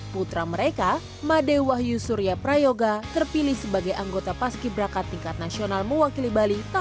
jadi wahyu terkulih jadi pas kibraka